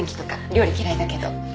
料理嫌いだけど。